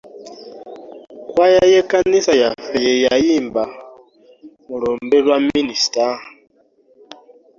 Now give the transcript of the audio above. Kkwaya y'ekkanisa yaffe ye yayimbye mu lumbe lwa minisita.